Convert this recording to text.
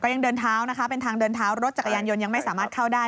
ยังเดินเท้านะคะเป็นทางเดินเท้ารถจักรยานยนต์ยังไม่สามารถเข้าได้